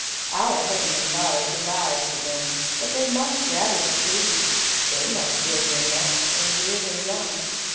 Our heavenly Father provides for them; but they must gather the food, they must build their nests, and rear their young.